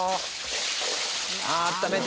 あっためて。